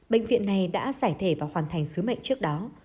bệnh viện này đã giải thể và hoàn thành sứ mệnh trước đó